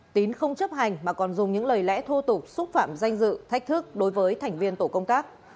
tín không chấp hành mà còn dùng những lời lẽ thô tục xúc phạm danh dự thách thức đối với thành viên tổ công tác